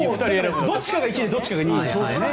どっちかが１位でどっちかが２位ですね。